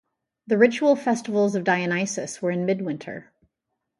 The rival festivals of Dionysus were in midwinter.